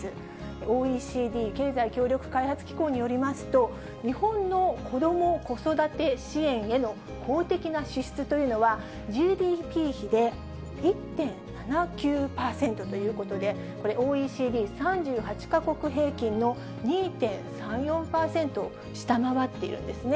ＯＥＣＤ・経済協力開発機構によりますと、日本の子ども・子育て支援への公的な支出というのは、ＧＤＰ比で１．７９％ということで、これ、ＯＥＣＤ３８か国平均の２．３４％下回っているんですね。